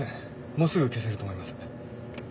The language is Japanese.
もうすぐ消せると思います。